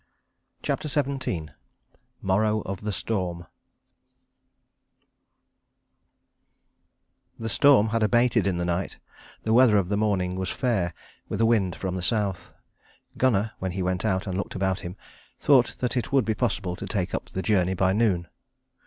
CHAPTER XVII MORROW OF THE STORM The storm had abated in the night, the weather of the morning was fair, with a wind from the south. Gunnar, when he went out and looked about him, thought that it would be possible to take up the journey by noon.